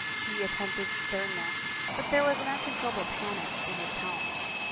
He at tempted sternness but there was an uncontrollable panic in his tone.